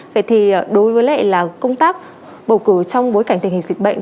vậy thì đối với lại là công tác bầu cử trong bối cảnh tình hình dịch bệnh